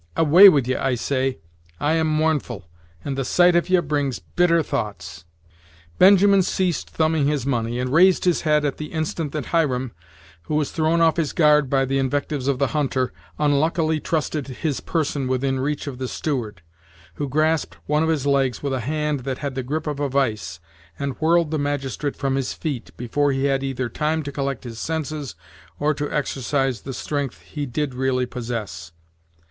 Away with ye, I say! I am mournful, and the sight of ye brings bitter thoughts." Benjamin ceased thumbing his money, and raised his head at the instant that Hiram, who was thrown off his guard by the invectives of the hunter, unluckily trusted his person within reach of the steward, who grasped one of his legs with a hand that had the grip of a vise, and whirled the magistrate from his feet, before he had either time to collect his senses or to exercise the strength he did really possess.